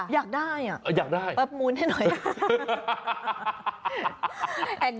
ถ้าอยากได้ปรับมูลให้หน่อย